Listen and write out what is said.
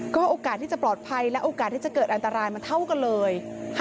โอกาสที่จะปลอดภัยและโอกาสที่จะเกิดอันตรายมันเท่ากันเลย